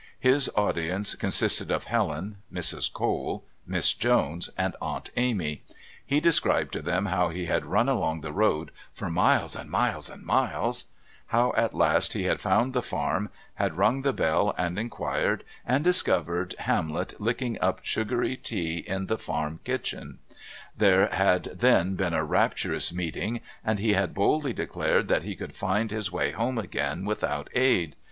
His audience consisted of Helen, Mrs. Cole, Miss Jones, and Aunt Amy. He described to them how he had run along the road "for miles and miles and miles," how at last he had found the farm, had rung the bell, and inquired, and discovered Hamlet licking up sugary tea in the farm kitchen; there had then been a rapturous meeting, and he had boldly declared that he could find his way home again without aid.